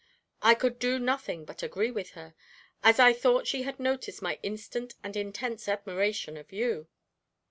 I could do nothing but agree with her, as I thought she had noticed my instant and intense admiration of you.